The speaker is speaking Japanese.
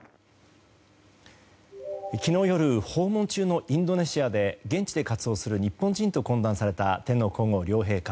昨日夜訪問中のインドネシアで現地で活動する日本人と懇談された天皇・皇后両陛下。